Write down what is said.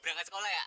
berangkat sekolah ya